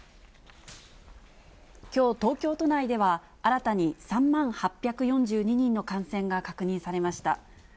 きょう東京都内では、新たに３万８４２人の感染が確認されました。